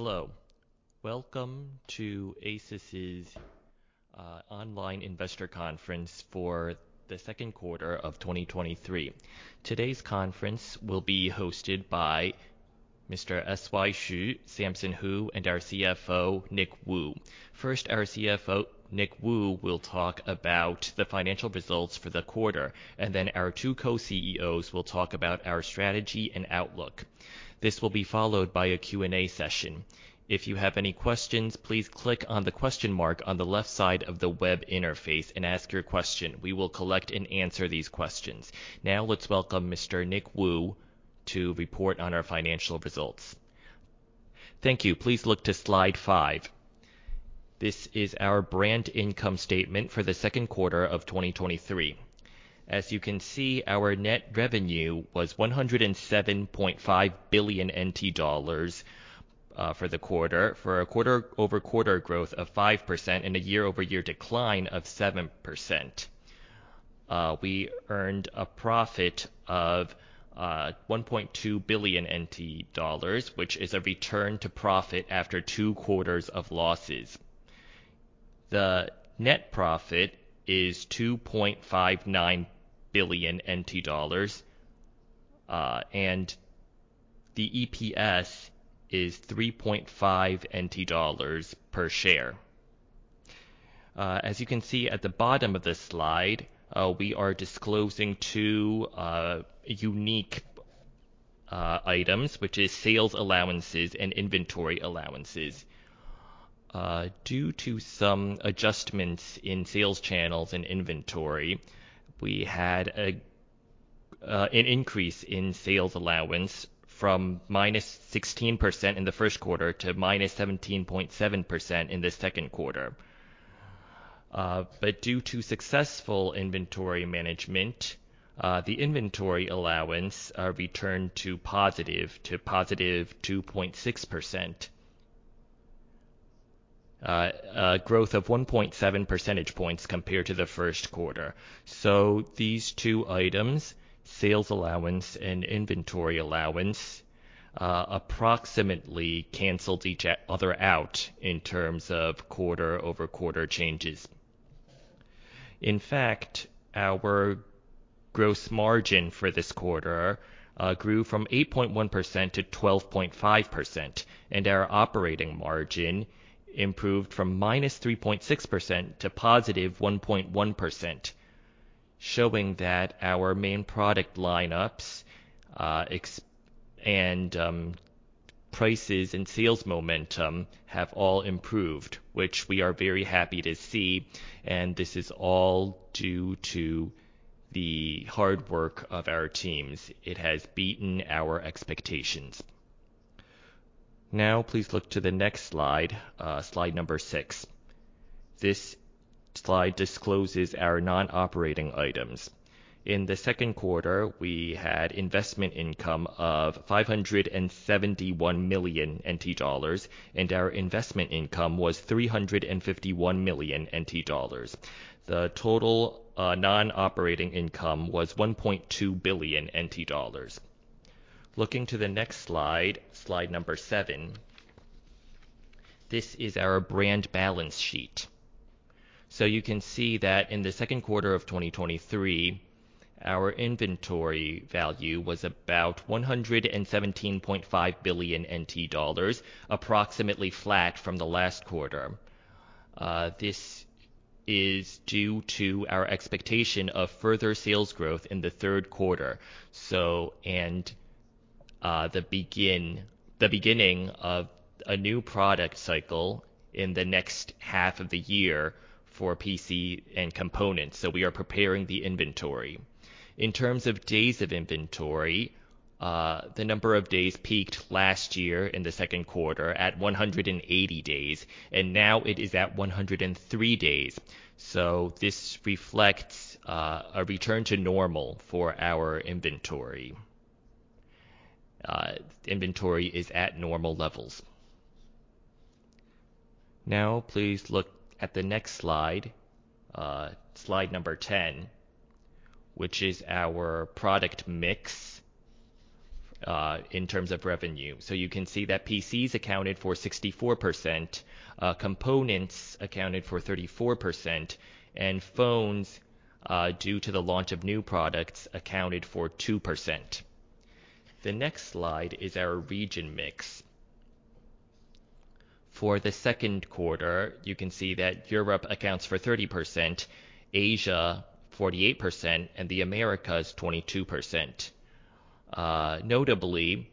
Hello. Welcome to ASUS's online investor conference for the second quarter of 2023. Today's conference will be hosted by Mr. S.Y. Hsu, Samson Hu, and our CFO, Nick Wu. First, our CFO, Nick Wu, will talk about the financial results for the quarter, and then our two co-CEOs will talk about our strategy and outlook. This will be followed by a Q&A session. If you have any questions, please click on the question mark on the left side of the web interface and ask your question. We will collect and answer these questions. Now, let's welcome Mr. Nick Wu to report on our financial results. Thank you. Please look to slide 5. This is our brand income statement for the second quarter of 2023. As you can see, our net revenue was NT$ 107.5 billion for the quarter, for a quarter-over-quarter growth of 5% and a year-over-year decline of 7%. We earned a profit of NT$ 1.2 billion, which is a return to profit after 2 quarters of losses. The net profit is NT$ 2.59 billion, and the EPS is NT$ 3.5 per share. As you can see at the bottom of this slide, we are disclosing 2 unique items, which is sales allowances and inventory allowances. Due to some adjustments in sales channels and inventory, we had an increase in sales allowance from -16% in the first quarter to -17.7% in the second quarter. Due to successful inventory management, the inventory allowance returned to +2.6%, a growth of 1.7 percentage points compared to the first quarter. These two items, sales allowance and inventory allowance, approximately canceled each other out in terms of quarter-over-quarter changes. In fact, our gross margin for this quarter grew from 8.1% - 12.5%, and our operating margin improved from -3.6% to +1.1%, showing that our main product lineups, and prices and sales momentum have all improved, which we are very happy to see, and this is all due to the hard work of our teams. It has beaten our expectations. Now, please look to the next slide, slide number 6. This slide discloses our non-operating items. In the second quarter, we had investment income of NT$ 571 million, and our investment income was NT$ 351 million. The total non-operating income was NT$ 1.2 billion. Looking to the next slide, slide number seven, this is our brand balance sheet. You can see that in the second quarter of 2023, our inventory value was about NT$ 117.5 billion, approximately flat from the last quarter. This is due to our expectation of further sales growth in the third quarter, the beginning of a new product cycle in the next half of the year for PC and components. We are preparing the inventory. In terms of days of inventory, the number of days peaked last year in the second quarter at 180 days, and now it is at 103 days. This reflects a return to normal for our inventory. Inventory is at normal levels. Now, please look at the next slide, slide 10, which is our product mix in terms of revenue. You can see that PCs accounted for 64%, components accounted for 34%, and phones, due to the launch of new products, accounted for 2%. The next slide is our region mix. For the second quarter, you can see that Europe accounts for 30%, Asia, 48%, and the Americas, 22%. Notably,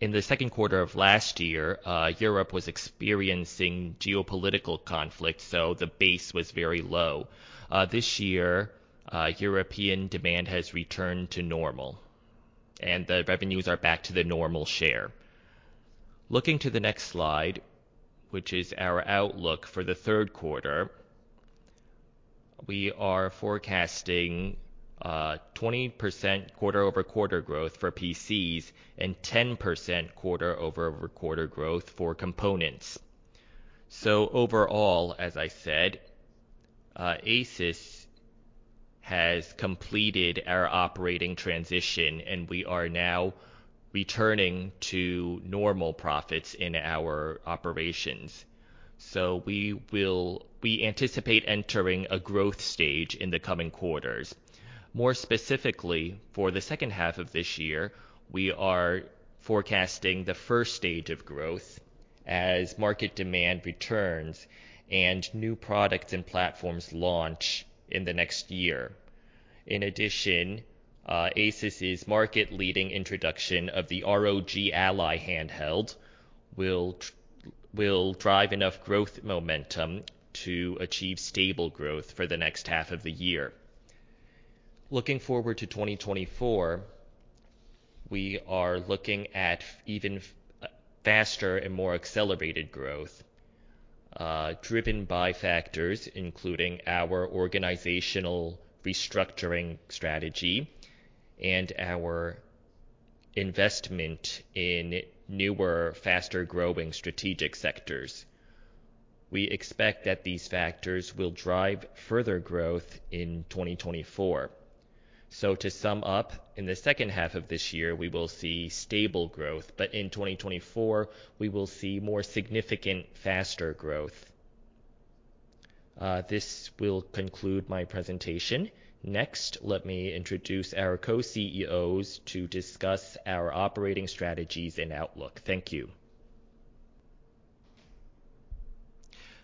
in the second quarter of last year, Europe was experiencing geopolitical conflict, so the base was very low. This year, European demand has returned to normal, and the revenues are back to the normal share. Looking to the next slide, which is our outlook for the third quarter, we are forecasting 20% quarter-over-quarter growth for PCs and 10% quarter-over-quarter growth for components. Overall, as I said, ASUS has completed our operating transition, and we are now returning to normal profits in our operations. We anticipate entering a growth stage in the coming quarters. More specifically, for the second half of this year, we are forecasting the first stage of growth as market demand returns and new products and platforms launch in the next year. In addition, ASUS's market-leading introduction of the ROG Ally handheld will drive enough growth momentum to achieve stable growth for the next half of the year. Looking forward to 2024, we are looking at even faster and more accelerated growth, driven by factors including our organizational restructuring strategy and our investment in newer, faster-growing strategic sectors. We expect that these factors will drive further growth in 2024. To sum up, in the second half of this year, we will see stable growth. In 2024, we will see more significant, faster growth. This will conclude my presentation. Next, let me introduce our co-CEOs to discuss our operating strategies and outlook. Thank you.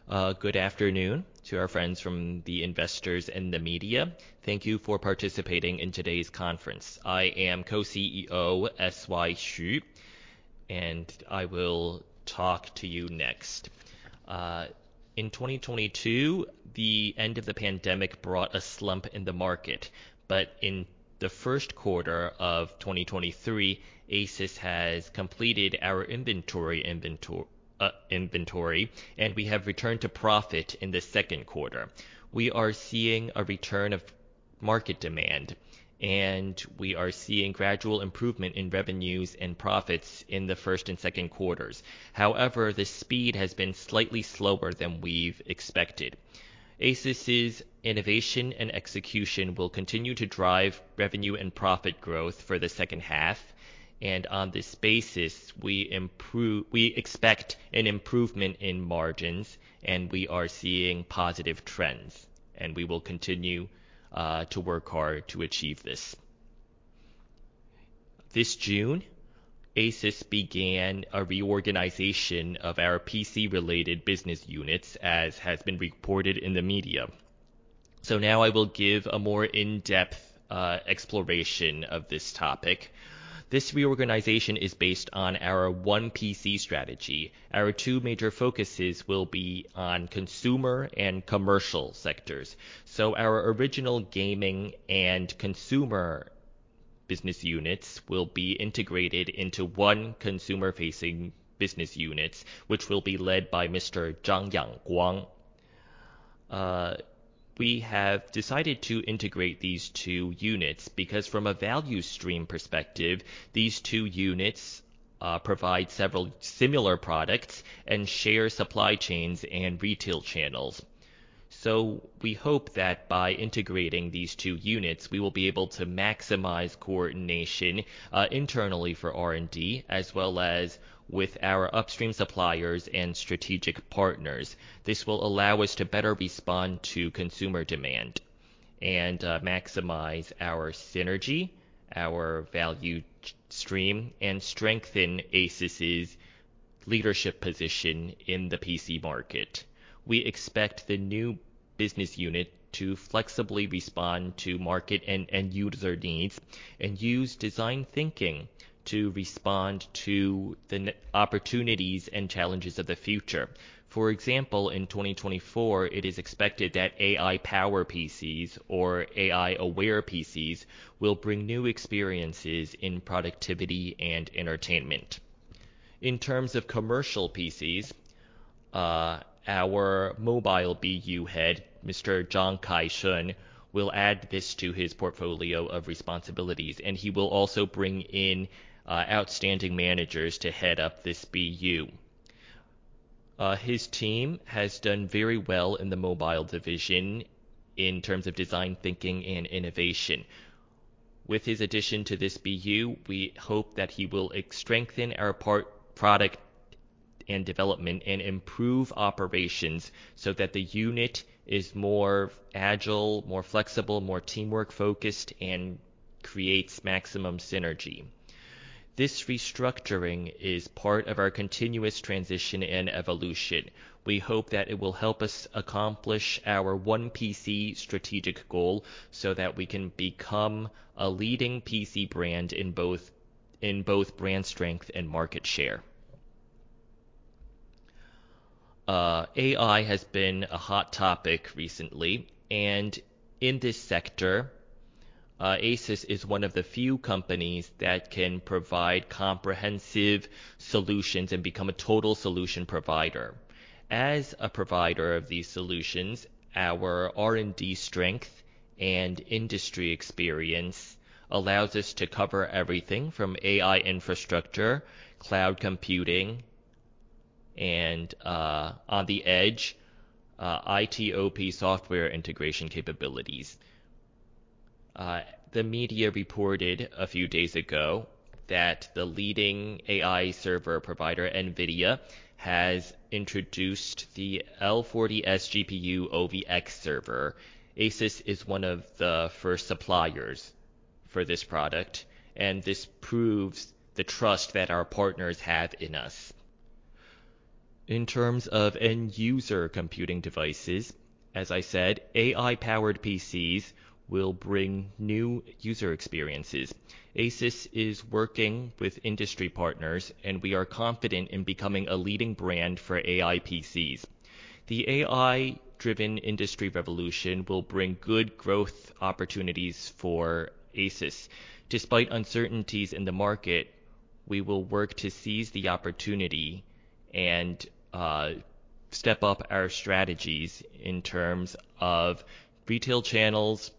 Good afternoon to our friends from the investors and the media. Thank you for participating in today's conference. I am Co-CEO SY Hsu, and I will talk to you next. In 2022, the end of the pandemic brought a slump in the market, but in the first quarter of 2023, ASUS has completed our inventory, inventory, inventory, and we have returned to profit in the second quarter. We are seeing a return of market demand, and we are seeing gradual improvement in revenues and profits in the first and second quarters. However, the speed has been slightly slower than we've expected. ASUS's innovation and execution will continue to drive revenue and profit growth for the second half, and on this basis, we improve-- we expect an improvement in margins, and we are seeing positive trends, and we will continue to work hard to achieve this. This June, ASUS began a reorganization of our PC-related business units, as has been reported in the media. Now I will give a more in-depth exploration of this topic. This reorganization is based on our One PC strategy. Our two major focuses will be on consumer and commercial sectors. Our original gaming and consumer business units will be integrated into one consumer-facing business units, which will be led by Mr. Chang Yang Guang. We have decided to integrate these two units because from a value stream perspective, these two units provide several similar products and share supply chains and retail channels. We hope that by integrating these two units, we will be able to maximize coordination internally for R&D, as well as with our upstream suppliers and strategic partners. This will allow us to better respond to consumer demand and maximize our synergy, our value stream, and strengthen ASUS's leadership position in the PC market. We expect the new business unit to flexibly respond to market and user needs and use design thinking to respond to the opportunities and challenges of the future. For example, in 2024, it is expected that AI Power PCs or AI-aware PCs will bring new experiences in productivity and entertainment. In terms of commercial PCs, our Mobile BU Head, Mr. Chang Kai Shun, will add this to his portfolio of responsibilities, and he will also bring in outstanding managers to head up this BU. His team has done very well in the mobile division in terms of design, thinking, and innovation. With his addition to this BU, we hope that he will strengthen our product and development and improve operations so that the unit is more agile, more flexible, more teamwork-focused, and creates maximum synergy. This restructuring is part of our continuous transition and evolution. We hope that it will help us accomplish our One PC strategic goal so that we can become a leading PC brand in both, in both brand strength and market share. AI has been a hot topic recently, and in this sector, ASUS is one of the few companies that can provide comprehensive solutions and become a total solution provider. As a provider of these solutions, our R&D strength and industry experience allows us to cover everything from AI infrastructure, cloud computing-... on the edge, IT/OT software integration capabilities. The media reported a few days ago that the leading AI server provider, NVIDIA, has introduced the L40S GPU OVX server. ASUS is one of the first suppliers for this product, and this proves the trust that our partners have in us. In terms of end-user computing devices, as I said, AI-powered PCs will bring new user experiences. ASUS is working with industry partners, and we are confident in becoming a leading brand for AI PCs. The AI-driven industry revolution will bring good growth opportunities for ASUS. Despite uncertainties in the market, we will work to seize the opportunity and step up our strategies in terms of retail channels,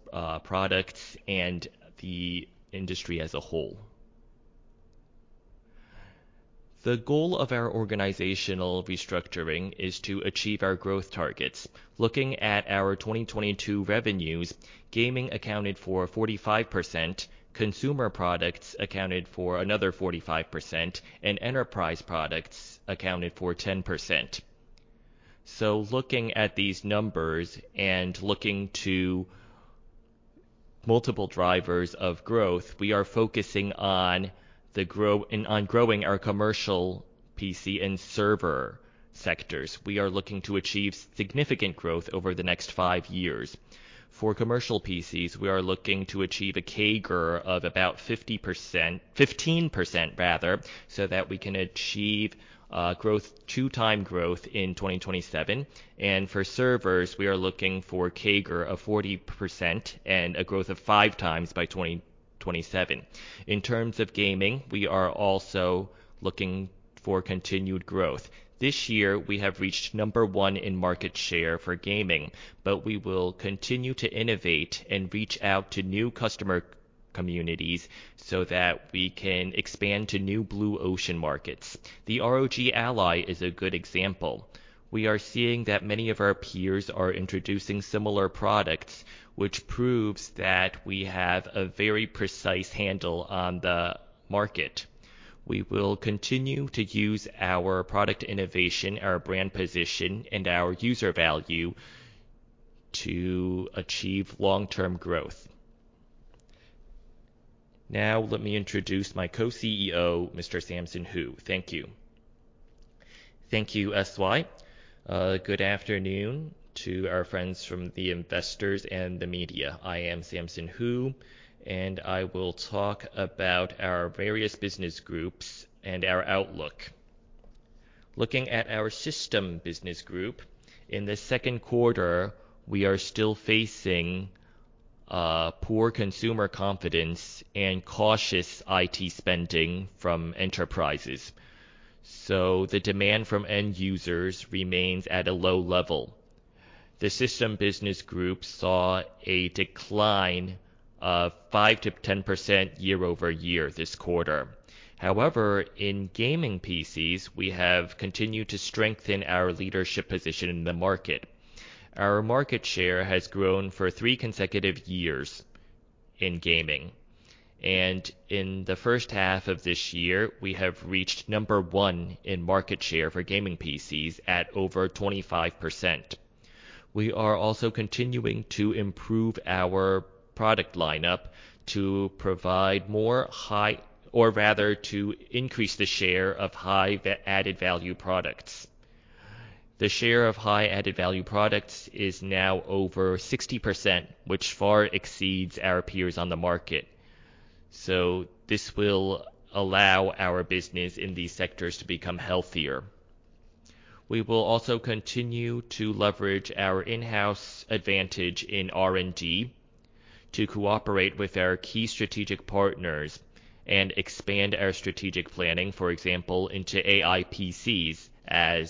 products, and the industry as a whole. The goal of our organizational restructuring is to achieve our growth targets. Looking at our 2022 revenues, gaming accounted for 45%, consumer products accounted for another 45%, and enterprise products accounted for 10%. Looking at these numbers and looking to multiple drivers of growth, we are focusing on growing our commercial PC and server sectors. We are looking to achieve significant growth over the next 5 years. For commercial PCs, we are looking to achieve a CAGR of about 50%-- 15%, rather, so that we can achieve growth, 2x growth in 2027. For servers, we are looking for CAGR of 40% and a growth of 5x by 2027. In terms of gaming, we are also looking for continued growth. This year, we have reached number 1 in market share for gaming, but we will continue to innovate and reach out to new customer communities so that we can expand to new blue ocean markets. The ROG Ally is a good example. We are seeing that many of our peers are introducing similar products, which proves that we have a very precise handle on the market. We will continue to use our product innovation, our brand position, and our user value to achieve long-term growth. Now, let me introduce my Co-CEO, Mr. Samson Hu. Thank you. Thank you, SY. Good afternoon to our friends from the investors and the media. I am Samson Hu. I will talk about our various business groups and our outlook. Looking at our system business group, in the second quarter, we are still facing poor consumer confidence and cautious IT spending from enterprises. The demand from end users remains at a low level. The system business group saw a decline of 5%-10% YoY this quarter. However, in gaming PCs, we have continued to strengthen our leadership position in the market. Our market share has grown for 3 consecutive years in gaming, and in the first half of this year, we have reached number 1 in market share for gaming PCs at over 25%. We are also continuing to improve our product lineup to provide more, or rather, to increase the share of high added-value products. The share of high added-value products is now over 60%, which far exceeds our peers on the market. This will allow our business in these sectors to become healthier. We will also continue to leverage our in-house advantage in R&D to cooperate with our key strategic partners and expand our strategic planning, for example, into AI PCs as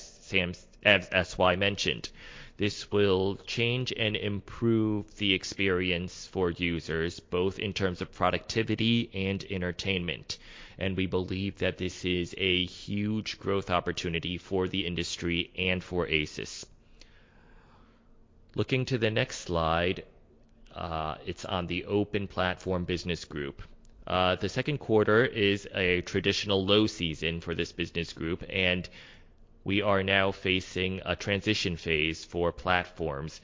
SY mentioned. This will change and improve the experience for users, both in terms of productivity and entertainment, and we believe that this is a huge growth opportunity for the industry and for ASUS. Looking to the next slide, it's on the open platform business group. The second quarter is a traditional low season for this business group, and we are now facing a transition phase for platforms,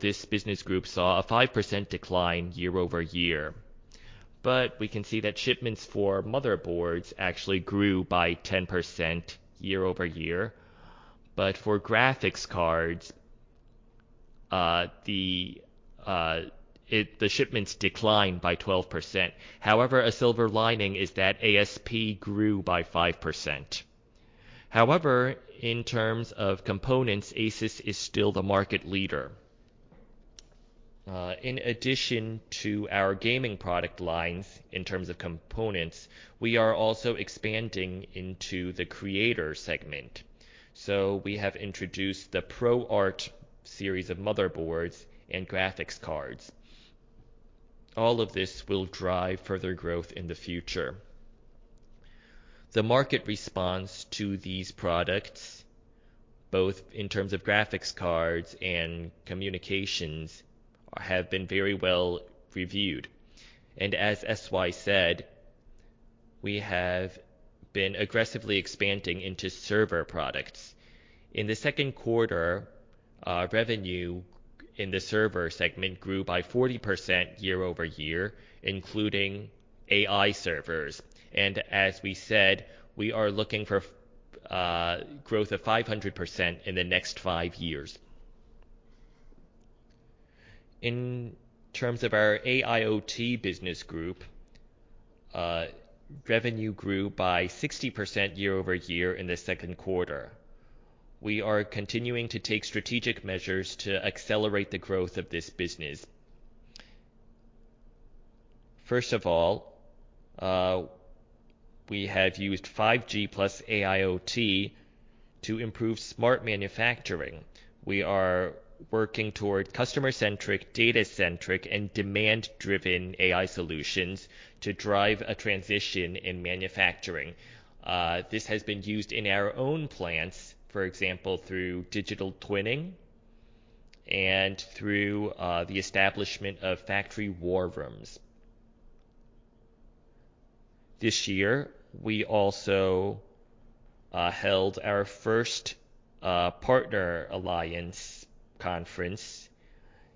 this business group saw a 5% decline year-over-year. We can see that shipments for motherboards actually grew by 10% year-over-year, but for graphics cards, the shipments declined by 12%. A silver lining is that ASP grew by 5%. In terms of components, ASUS is still the market leader. In addition to our gaming product lines, in terms of components, we are also expanding into the creator segment, so we have introduced the ProArt series of motherboards and graphics cards. All of this will drive further growth in the future. The market response to these products, both in terms of graphics cards and communications, have been very well reviewed. As SY said, we have been aggressively expanding into server products. In the second quarter, revenue in the server segment grew by 40% year-over-year, including AI servers. As we said, we are looking for growth of 500% in the next five years. In terms of our AIoT business group, revenue grew by 60% year-over-year in the second quarter. We are continuing to take strategic measures to accelerate the growth of this business. First of all, we have used 5G plus AIoT to improve smart manufacturing. We are working toward customer-centric, data-centric, and demand-driven AI solutions to drive a transition in manufacturing. This has been used in our own plants, for example, through digital twinning and through the establishment of factory war rooms. This year, we also held our first partner alliance conference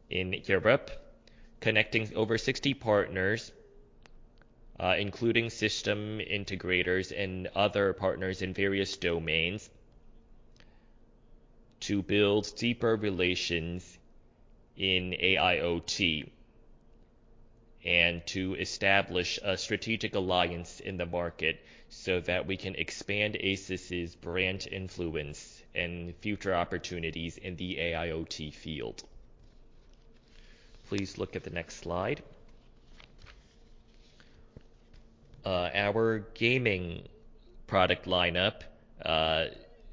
in Europe, connecting over 60 partners, including system integrators and other partners in various domains, to build deeper relations in AIoT and to establish a strategic alliance in the market, so that we can expand ASUS's brand influence and future opportunities in the AIoT field. Please look at the next slide. Our gaming product lineup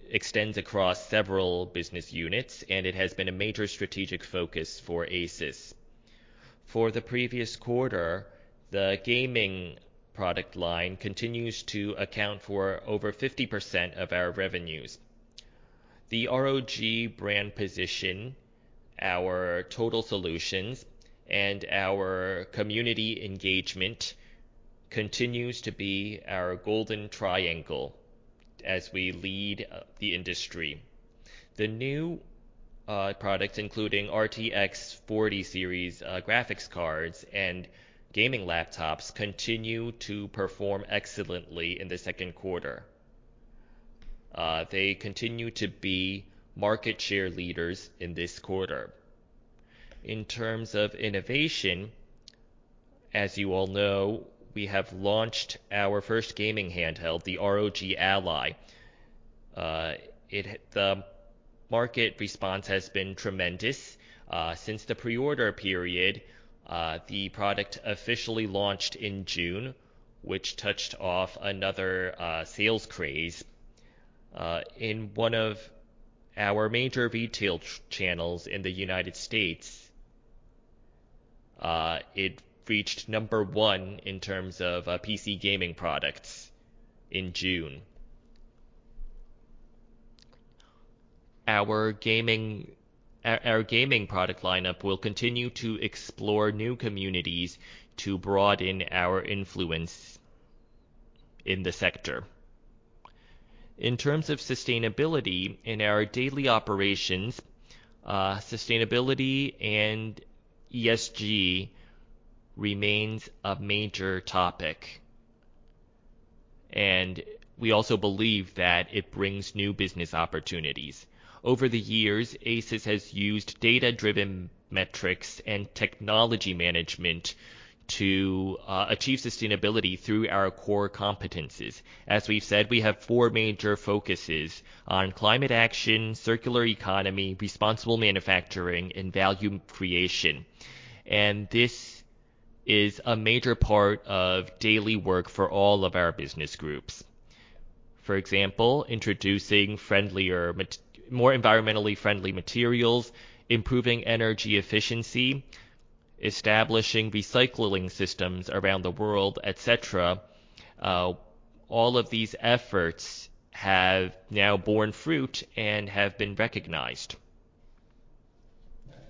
extends across several business units, and it has been a major strategic focus for ASUS. For the previous quarter, the gaming product line continues to account for over 50% of our revenues. The ROG brand position, our total solutions, and our community engagement continues to be our golden triangle as we lead the industry. The new products, including RTX 40 series graphics cards and gaming laptops, continue to perform excellently in the second quarter. They continue to be market share leaders in this quarter. In terms of innovation, as you all know, we have launched our first gaming handheld, the ROG Ally. The market response has been tremendous since the pre-order period. The product officially launched in June, which touched off another sales craze. In one of our major retail channels in the United States, it reached number 1 in terms of PC gaming products in June. Our gaming product lineup will continue to explore new communities to broaden our influence in the sector. In terms of sustainability in our daily operations, sustainability and ESG remains a major topic. We also believe that it brings new business opportunities. Over the years, ASUS has used data-driven metrics and technology management to achieve sustainability through our core competencies. As we've said, we have four major focuses: on climate action, circular economy, responsible manufacturing, and value creation. This is a major part of daily work for all of our business groups. For example, introducing more environmentally friendly materials, improving energy efficiency, establishing recycling systems around the world, et cetera. All of these efforts have now borne fruit and have been recognized.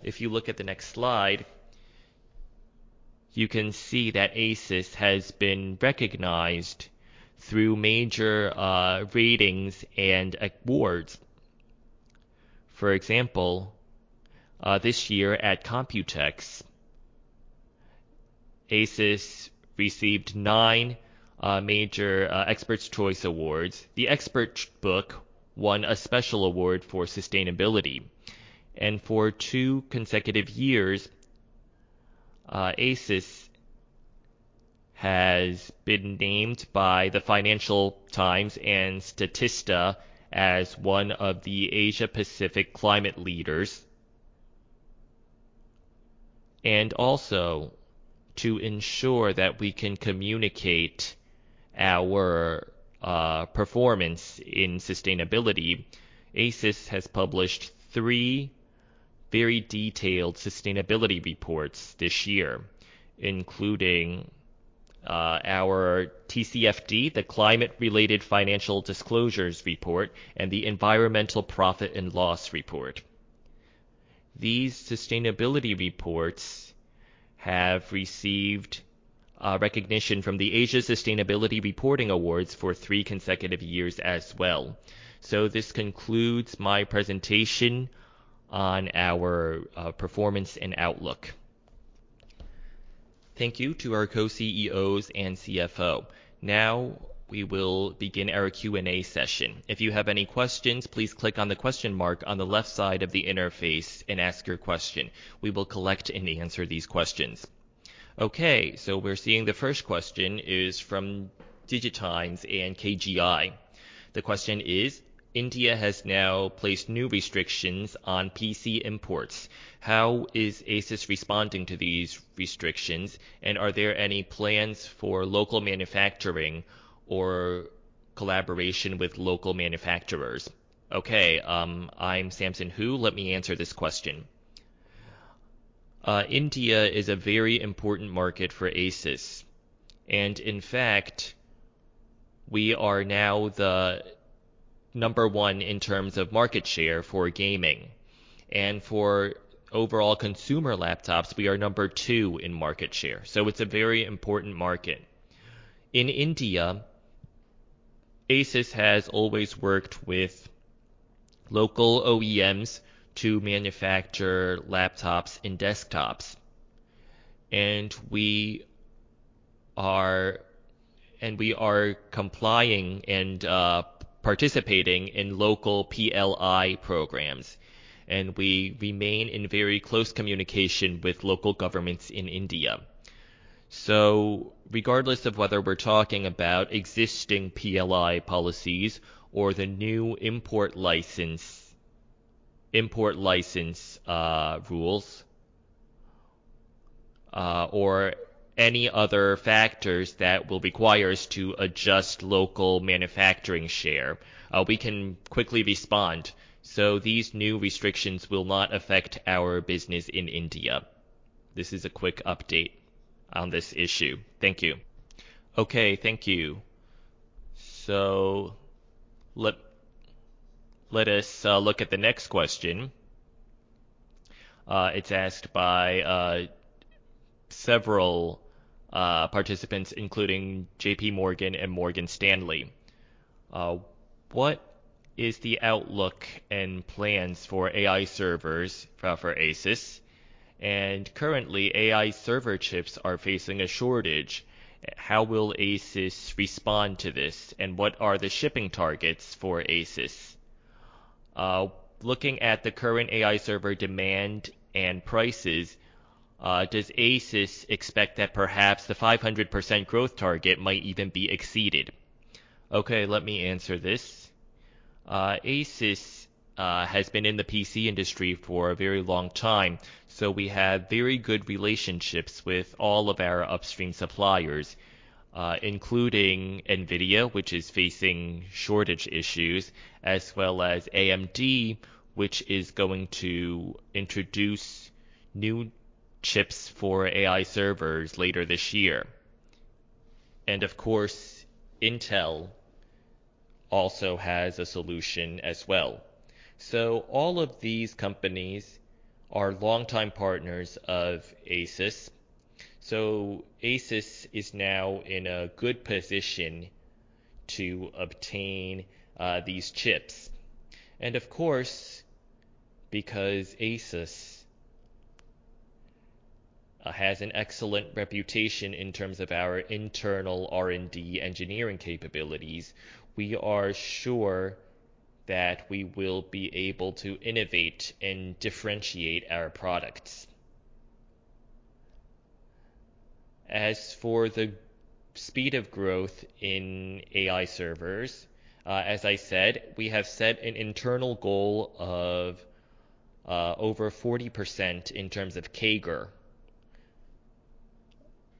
If you look at the next slide, you can see that ASUS has been recognized through major ratings and awards. For example, this year at Computex, ASUS received 9 major Best Choice Awards. The ExpertBook won a special award for sustainability. For 2 consecutive years, ASUS has been named by the Financial Times and Statista as one of the Asia-Pacific climate leaders. To ensure that we can communicate our performance in sustainability, ASUS has published 3 very detailed sustainability reports this year, including our TCFD, the climate-related financial disclosures report, and the Environmental Profit and Loss report. These sustainability reports have received recognition from the Asia Sustainability Reporting Awards for 3 consecutive years as well. This concludes my presentation on our performance and outlook. Thank you to our Co-CEOs and CFO. Now, we will begin our Q&A session. If you have any questions, please click on the question mark on the left side of the interface and ask your question. We will collect and answer these questions. We're seeing the first question is from DigiTimes and KGI. The question is: India has now placed new restrictions on PC imports. How is ASUS responding to these restrictions, and are there any plans for local manufacturing or collaboration with local manufacturers? I'm Samson Hu. Let me answer this question. India is a very important market for ASUS, and in fact, we are now the number one in terms of market share for gaming, and for overall consumer laptops, we are number two in market share, so it's a very important market. In India, ASUS has always worked with local OEMs to manufacture laptops and desktops, and we are complying and participating in local PLI programs, and we remain in very close communication with local governments in India. Regardless of whether we're talking about existing PLI policies or the new import license rules or any other factors that will require us to adjust local manufacturing share, we can quickly respond, so these new restrictions will not affect our business in India. This is a quick update on this issue. Thank you. Okay, thank you. Let us look at the next question. It's asked by several participants, including JP Morgan and Morgan Stanley. What is the outlook and plans for AI servers for ASUS? Currently, AI server chips are facing a shortage. How will ASUS respond to this, and what are the shipping targets for ASUS? Looking at the current AI server demand and prices, does ASUS expect that perhaps the 500% growth target might even be exceeded? Let me answer this. ASUS has been in the PC industry for a very long time, so we have very good relationships with all of our upstream suppliers, including NVIDIA, which is facing shortage issues, as well as AMD, which is going to introduce new chips for AI servers later this year. Of course, Intel also has a solution as well. All of these companies are longtime partners of ASUS, so ASUS is now in a good position to obtain these chips. Of course, because ASUS has an excellent reputation in terms of our internal R&D engineering capabilities, we are sure that we will be able to innovate and differentiate our products. As for the speed of growth in AI servers, as I said, we have set an internal goal of over 40% in terms of CAGR.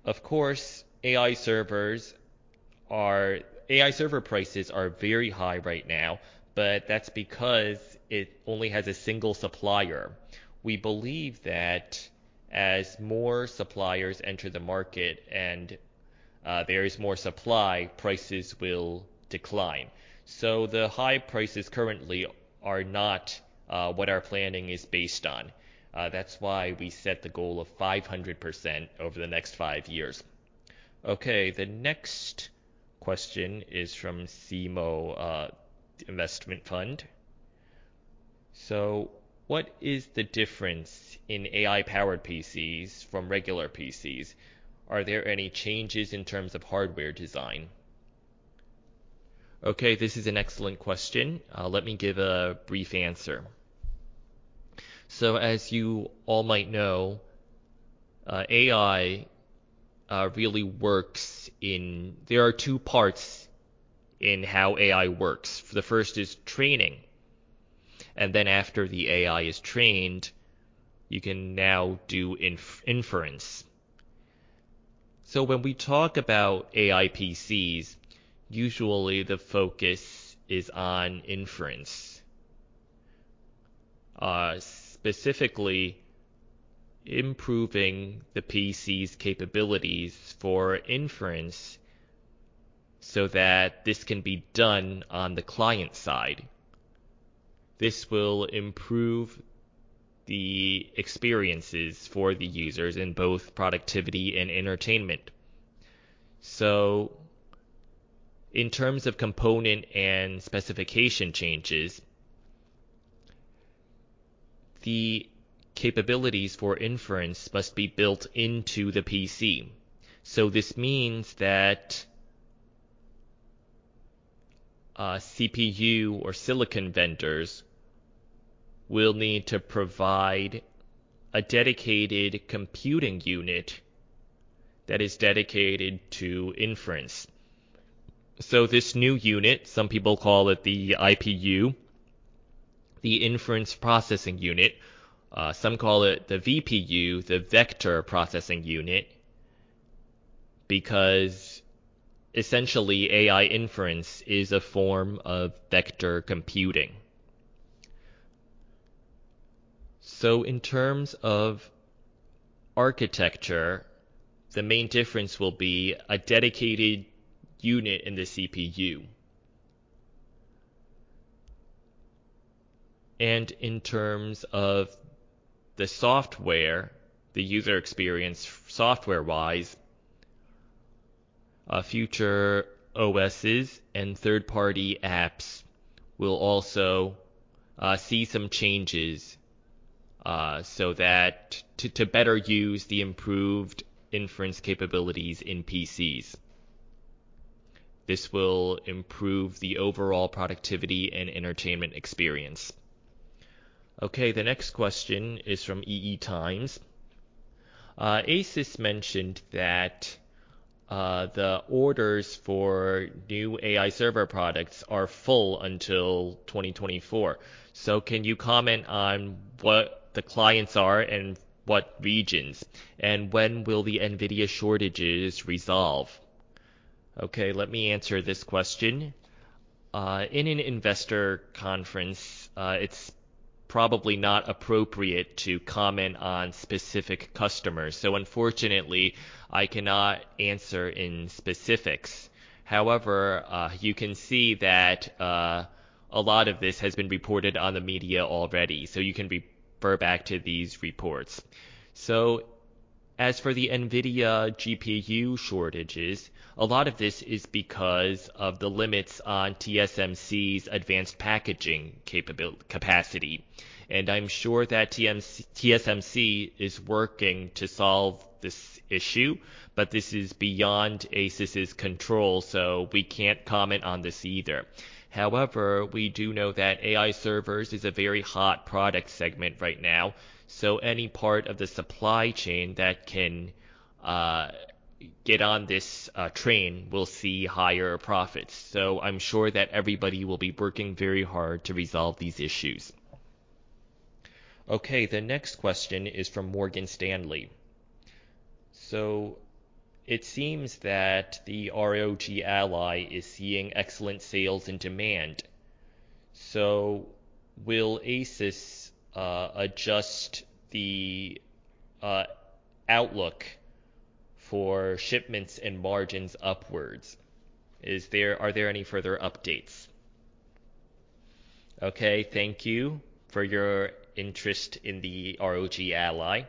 Of course, AI server prices are very high right now, but that's because it only has a single supplier. We believe that as more suppliers enter the market and there is more supply, prices will decline. The high prices currently are not what our planning is based on. That's why we set the goal of 500% over the next five years. The next question is from Seemo Investment Fund. What is the difference in AI-powered PCs from regular PCs? Are there any changes in terms of hardware design? Okay, this is an excellent question. Let me give a brief answer. As you all might know, AI really works. There are two parts in how AI works. The first is training. After the AI is trained, you can now do inference. When we talk about AI PCs, usually the focus is on inference. Specifically, improving the PC's capabilities for inference, so that this can be done on the client side. This will improve the experiences for the users in both productivity and entertainment. In terms of component and specification changes, the capabilities for inference must be built into the PC. This means that CPU or silicon vendors will need to provide a dedicated computing unit that is dedicated to inference. This new unit, some people call it the IPU, the inference processing unit, some call it the VPU, the vector processing unit, because essentially, AI inference is a form of vector computing. In terms of architecture, the main difference will be a dedicated unit in the CPU. In terms of the software, the user experience software-wise, future OSs and third-party apps will also see some changes so that to better use the improved inference capabilities in PCs. This will improve the overall productivity and entertainment experience. The next question is from EE Times: ASUS mentioned that the orders for new AI server products are full until 2024. Can you comment on what the clients are and what regions? When will the NVIDIA shortages resolve? Okay, let me answer this question. In an investor conference, it's probably not appropriate to comment on specific customers, so unfortunately, I cannot answer in specifics. However, you can see that a lot of this has been reported on the media already, so you can refer back to these reports. As for the NVIDIA GPU shortages, a lot of this is because of the limits on TSMC's advanced packaging capabil-- capacity, and I'm sure that TSMC... TSMC is working to solve this issue, but this is beyond ASUS's control, so we can't comment on this either. However, we do know that AI servers is a very hot product segment right now, any part of the supply chain that can get on this train will see higher profits. I'm sure that everybody will be working very hard to resolve these issues. Okay, the next question is from Morgan Stanley: It seems that the ROG Ally is seeing excellent sales and demand. Will ASUS adjust the outlook for shipments and margins upwards? Are there any further updates? Okay, thank you for your interest in the ROG Ally.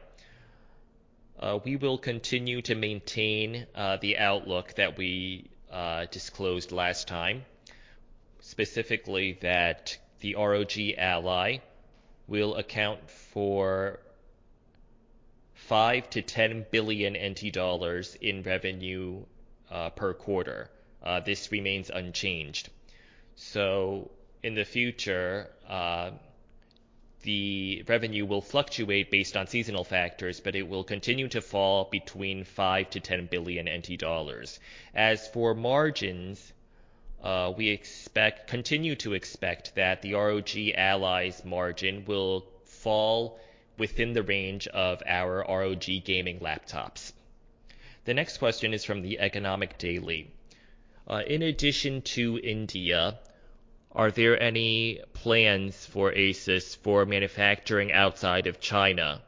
We will continue to maintain the outlook that we disclosed last time, specifically that the ROG Ally will account for NT$5 billion-NT$10 billion in revenue per quarter. This remains unchanged. In the future, the revenue will fluctuate based on seasonal factors, but it will continue to fall between 5 billion-10 billion NT dollars. As for margins, we expect, continue to expect that the ROG Ally's margin will fall within the range of our ROG gaming laptops. The next question is from the Economic Daily: In addition to India, are there any plans for ASUS for manufacturing outside of China?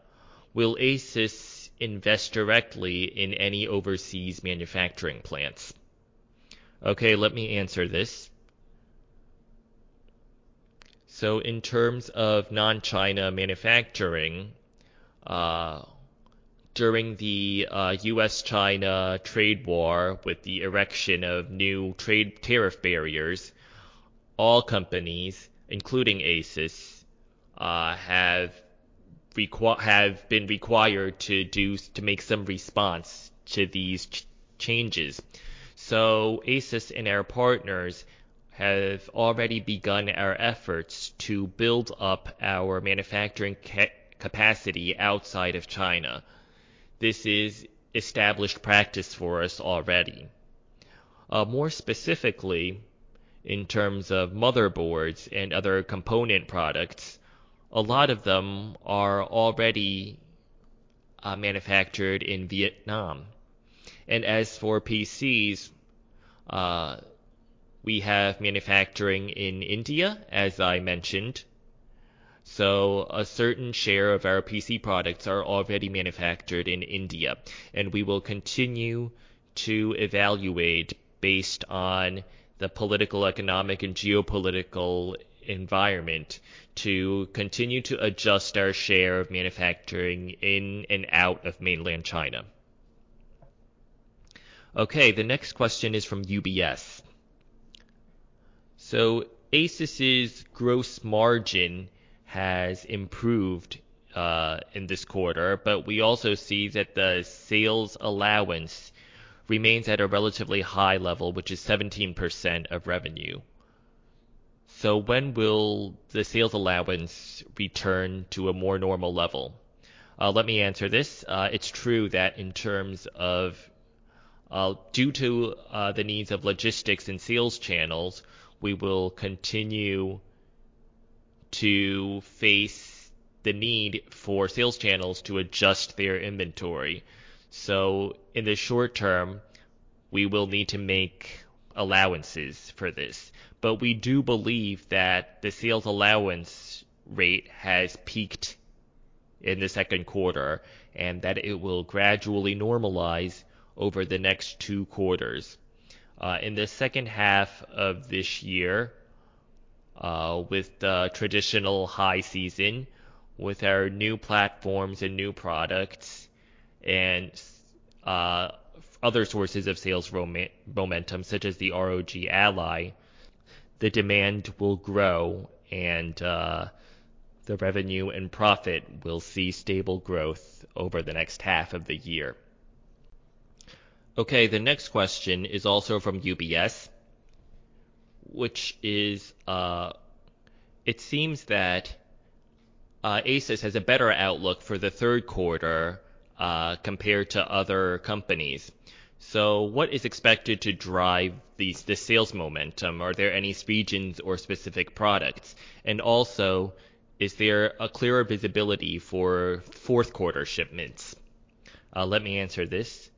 Will ASUS invest directly in any overseas manufacturing plants? Okay, let me answer this. In terms of non-China manufacturing, during the U.S.-China trade war, with the erection of new trade tariff barriers, all companies, including ASUS, have been required to do, to make some response to these changes. ASUS and our partners have already begun our efforts to build up our manufacturing capacity outside of China. This is established practice for us already. More specifically, in terms of motherboards and other component products, a lot of them are already manufactured in Vietnam. As for PCs, we have manufacturing in India, as I mentioned. A certain share of our PC products are already manufactured in India, and we will continue to evaluate based on the political, economic, and geopolitical environment to continue to adjust our share of manufacturing in and out of mainland China. Okay, the next question is from UBS: "ASUS's gross margin has improved in this quarter, but we also see that the sales allowance remains at a relatively high level, which is 17% of revenue. When will the sales allowance return to a more normal level?" Let me answer this. It's true that in terms of, due to the needs of logistics and sales channels, we will continue to face the need for sales channels to adjust their inventory. In the short term, we will need to make allowances for this. We do believe that the sales allowance rate has peaked in the second quarter, and that it will gradually normalize over the next two quarters. In the second half of this year, with the traditional high season, with our new platforms and new products and other sources of sales momentum, such as the ROG Ally, the demand will grow and the revenue and profit will see stable growth over the next half of the year. Okay, the next question is also from UBS, which is: "It seems that ASUS has a better outlook for the third quarter compared to other companies. What is expected to drive the sales momentum? Are there any regions or specific products? Is there a clearer visibility for fourth quarter shipments?" Let me answer this.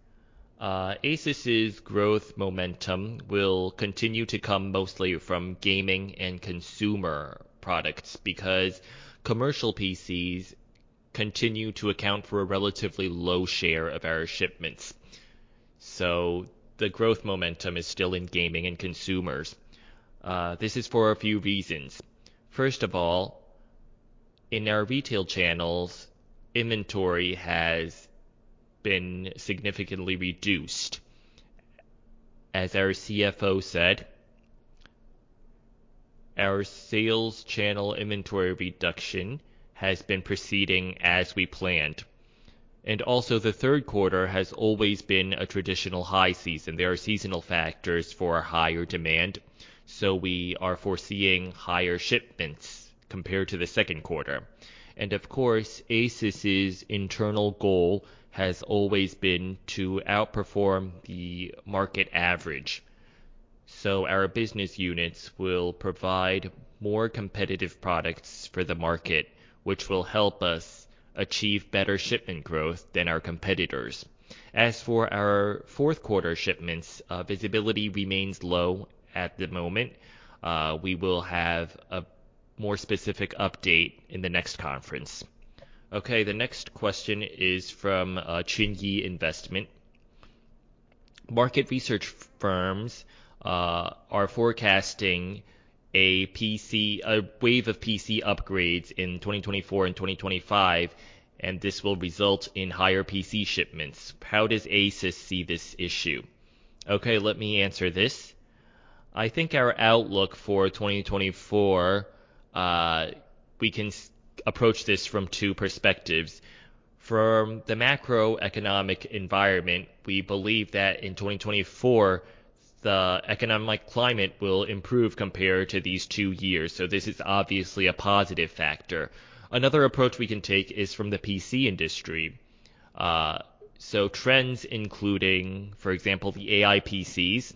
ASUS's growth momentum will continue to come mostly from gaming and consumer products because commercial PCs continue to account for a relatively low share of our shipments. The growth momentum is still in gaming and consumers. This is for a few reasons. First of all, in our retail channels, inventory has been significantly reduced. As our CFO said, our sales channel inventory reduction has been proceeding as we planned, and also the third quarter has always been a traditional high season. There are seasonal factors for a higher demand, we are foreseeing higher shipments compared to the second quarter. Of course, ASUS's internal goal has always been to outperform the market average, so our business units will provide more competitive products for the market, which will help us achieve better shipment growth than our competitors. As for our fourth quarter shipments, visibility remains low at the moment. We will have a more specific update in the next conference. Okay, the next question is from Chun Yi Investment: "Market research firms are forecasting a wave of PC upgrades in 2024 and 2025, and this will result in higher PC shipments. How does ASUS see this issue?" Okay, let me answer this. I think our outlook for 2024, we can approach this from two perspectives. From the macroeconomic environment, we believe that in 2024, the economic climate will improve compared to these 2 years. This is obviously a positive factor. Another approach we can take is from the PC industry. Trends including, for example, the AI PCs,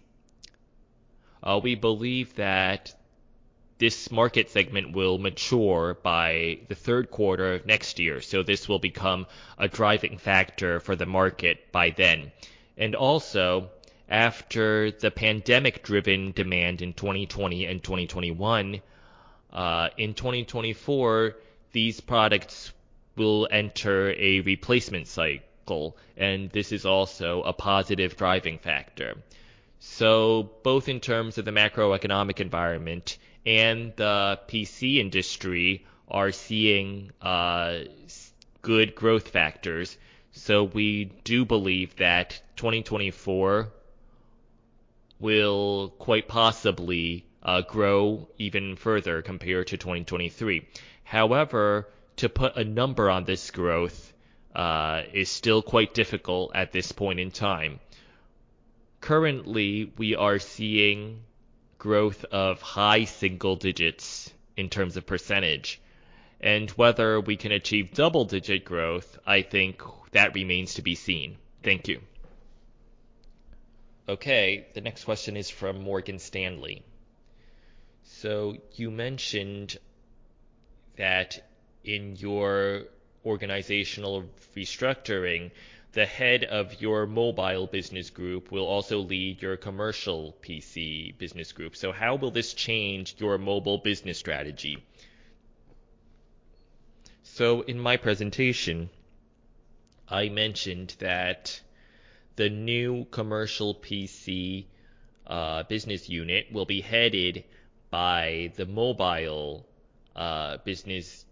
we believe that this market segment will mature by the 3rd quarter of next year. This will become a driving factor for the market by then. Also, after the pandemic-driven demand in 2020 and 2021, in 2024, these products will enter a replacement cycle, and this is also a positive driving factor. Both in terms of the macroeconomic environment and the PC industry are seeing good growth factors. We do believe that 2024 will quite possibly grow even further compared to 2023. However, to put a number on this growth is still quite difficult at this point in time. Currently, we are seeing growth of high single digits in terms of percentage, and whether we can achieve double-digit growth, I think that remains to be seen. Thank you. The next question is from Morgan Stanley: You mentioned that in your organizational restructuring, the head of your Mobile Business Group will also lead your Commercial PC Business Group. How will this change your Mobile Business Strategy? In my presentation, I mentioned that the new Commercial PC Business Unit will be headed by the Mobile Business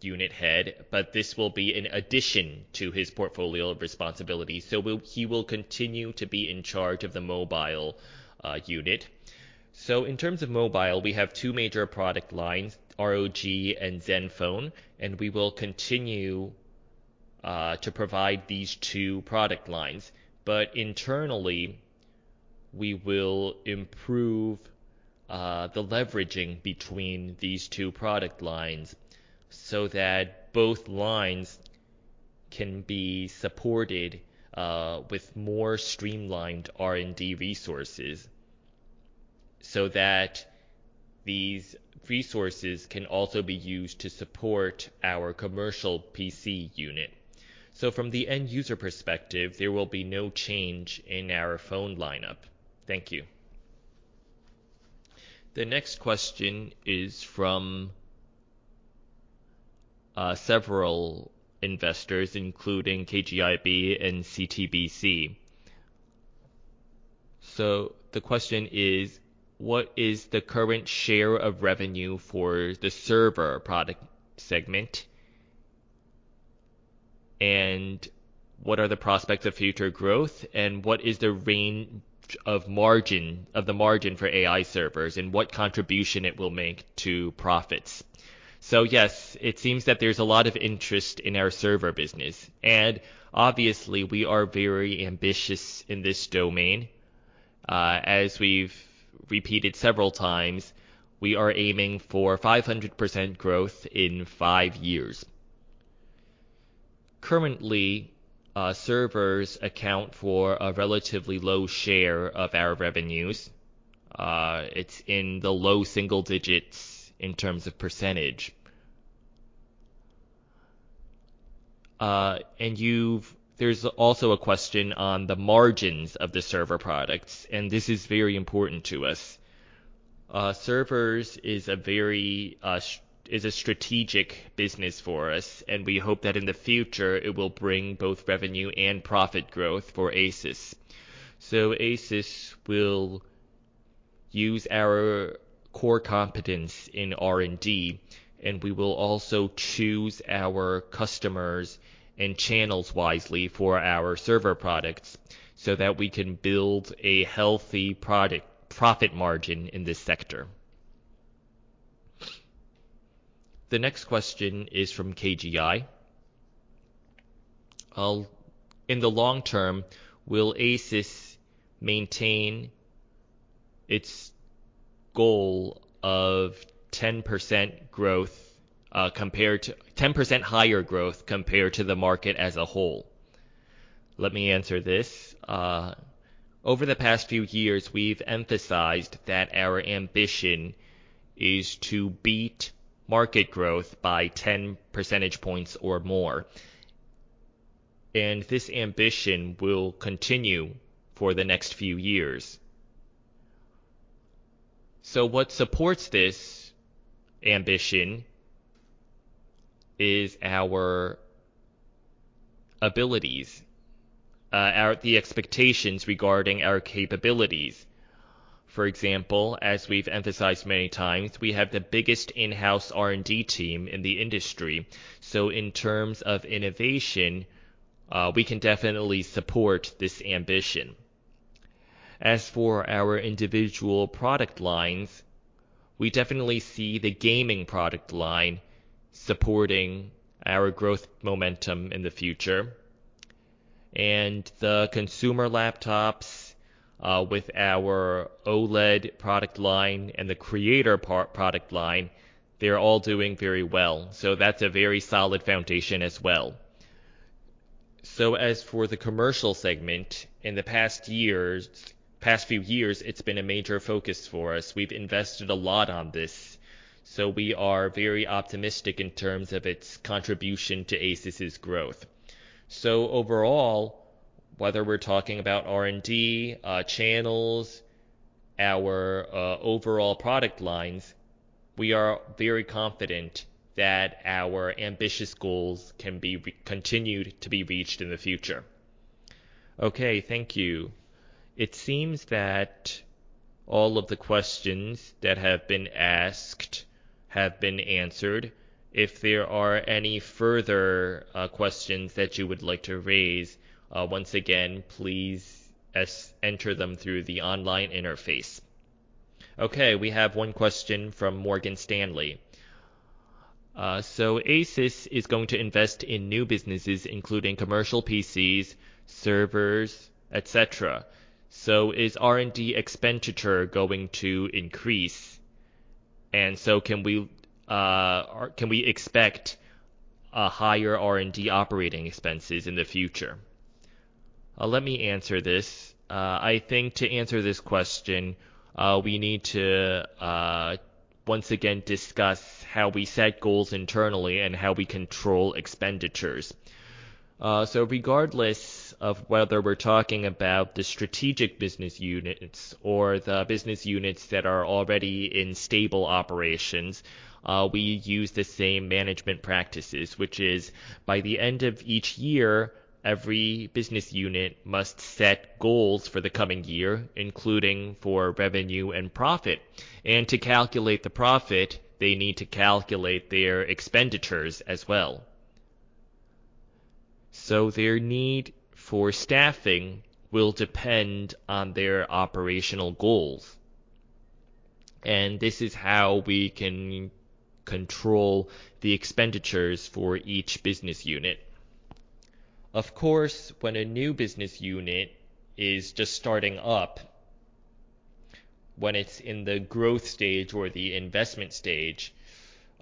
Unit head, but this will be in addition to his portfolio of responsibilities. He will continue to be in charge of the Mobile Unit. In terms of mobile, we have two major product lines, ROG and Zenfone, and we will continue to provide these two product lines. Internally, we will improve the leveraging between these two product lines so that both lines can be supported with more streamlined R&D resources, so that these resources can also be used to support our commercial PC unit. From the end user perspective, there will be no change in our phone lineup. Thank you. The next question is from several investors, including KGI Securities and CTBC. The question is: what is the current share of revenue for the server product segment? What are the prospects of future growth, and what is the range of margin-- of the margin for AI servers, and what contribution it will make to profits? Yes, it seems that there's a lot of interest in our server business, and obviously, we are very ambitious in this domain. As we've repeated several times, we are aiming for 500% growth in 5 years. Currently, servers account for a relatively low share of our revenues. It's in the low single digits in terms of %. And there's also a question on the margins of the server products, and this is very important to us. Servers is a very strategic business for us, and we hope that in the future, it will bring both revenue and profit growth for ASUS. ASUS will use our core competence in R&D, and we will also choose our customers and channels wisely for our server products so that we can build a healthy product profit margin in this sector. The next question is from KGI: In the long term, will ASUS maintain its goal of 10% growth, compared to 10% higher growth compared to the market as a whole? Let me answer this. Over the past few years, we've emphasized that our ambition is to beat market growth by 10 percentage points or more, and this ambition will continue for the next few years. What supports this ambition is our abilities, the expectations regarding our capabilities. For example, as we've emphasized many times, we have the biggest in-house R&D team in the industry. In terms of innovation, we can definitely support this ambition. As for our individual product lines, we definitely see the gaming product line supporting our growth momentum in the future. The consumer laptops, with our OLED product line and the creator pro-product line, they're all doing very well. That's a very solid foundation as well. As for the commercial segment, in the past years, past few years, it's been a major focus for us. We've invested a lot on this, so we are very optimistic in terms of its contribution to ASUS's growth. Overall, whether we're talking about R&D, channels, our overall product lines, we are very confident that our ambitious goals can be continued to be reached in the future. Okay, thank you. It seems that all of the questions that have been asked have been answered. If there are any further questions that you would like to raise, once again, please enter them through the online interface. Okay, we have one question from Morgan Stanley:... ASUS is going to invest in new businesses, including commercial PCs, servers, etc. Is R&D expenditure going to increase? Can we expect higher R&D operating expenses in the future? Let me answer this. I think to answer this question, we need to once again discuss how we set goals internally and how we control expenditures. Regardless of whether we're talking about the strategic business units or the business units that are already in stable operations, we use the same management practices, which is, by the end of each year, every business unit must set goals for the coming year, including for revenue and profit. To calculate the profit, they need to calculate their expenditures as well. Their need for staffing will depend on their operational goals, and this is how we can control the expenditures for each business unit. Of course, when a new business unit is just starting up, when it's in the growth stage or the investment stage,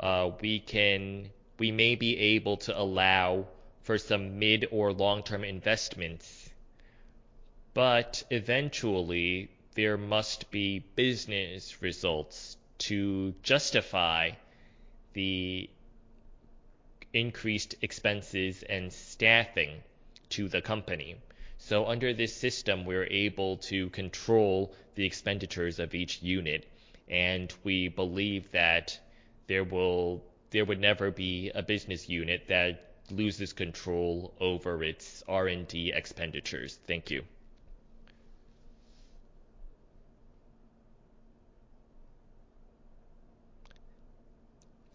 we may be able to allow for some mid or long-term investments, but eventually, there must be business results to justify the increased expenses and staffing to the company. Under this system, we're able to control the expenditures of each unit, and we believe that there would never be a business unit that loses control over its R&D expenditures. Thank you.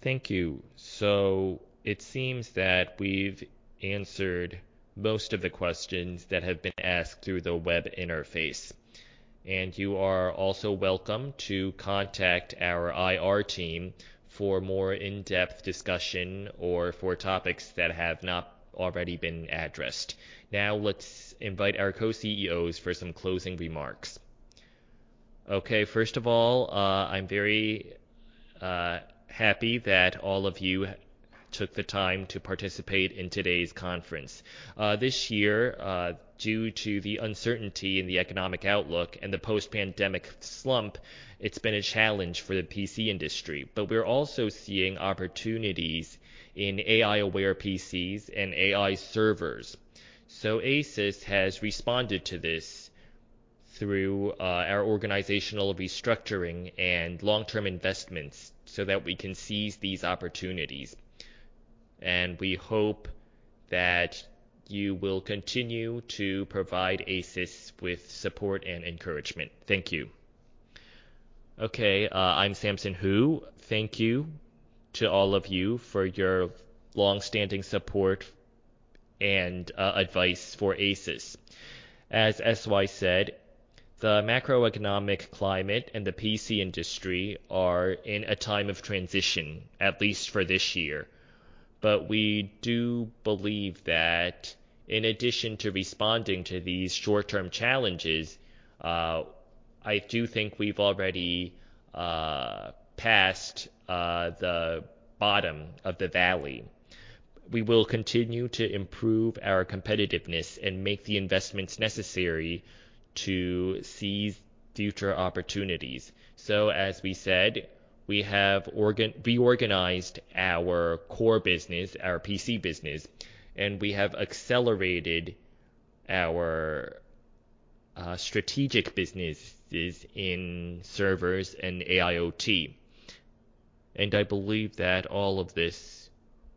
Thank you. It seems that we've answered most of the questions that have been asked through the web interface, and you are also welcome to contact our IR team for more in-depth discussion or for topics that have not already been addressed. Now, let's invite our co-CEOs for some closing remarks. Okay, first of all, I'm very happy that all of you took the time to participate in today's conference. This year, due to the uncertainty in the economic outlook and the post-pandemic slump, it's been a challenge for the PC industry. We're also seeing opportunities in AI-aware PCs and AI servers. ASUS has responded to this through our organizational restructuring and long-term investments so that we can seize these opportunities. We hope that you will continue to provide ASUS with support and encouragement. Thank you. Okay, I'm Samson Hu. Thank you to all of you for your long-standing support and advice for ASUS. As SY said, the macroeconomic climate and the PC industry are in a time of transition, at least for this year. We do believe that in addition to responding to these short-term challenges, I do think we've already passed the bottom of the valley. We will continue to improve our competitiveness and make the investments necessary to seize future opportunities. As we said, we have reorganized our core business, our PC business, and we have accelerated our strategic businesses in servers and AIoT. I believe that all of this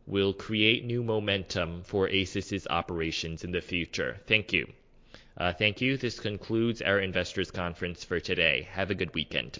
will create new momentum for ASUS' operations in the future. Thank you. Thank you. This concludes our investors' conference for today. Have a good weekend.